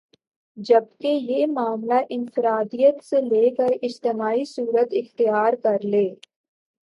جبکہ یہ معاملہ انفراد عیت سے ل کر اجتماع صورت اختیار کر لے